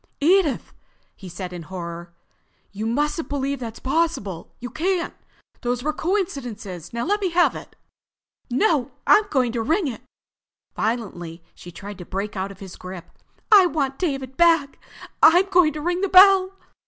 "Edith!" he said in horror. "You mustn't believe that's possible. You can't. Those were coincidences. Now let me have it." "No! I'm going to ring it." Violently she tried to break out of his grip. "I want David back! I'm going to ring the bell!"